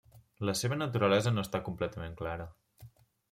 La seva naturalesa no està completament clara.